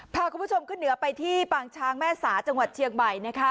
พาคุณผู้ชมขึ้นเหนือไปที่ปางช้างแม่สาจังหวัดเชียงใหม่นะคะ